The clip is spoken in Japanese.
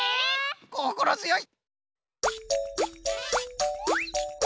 こころづよい！